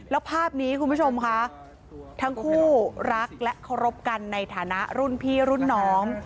แล้วภาพนี้คุณผู้ชมค่ะทั้งคู่รักและเคารพกันในฐานะรุ่นพี่รุ่นน้อง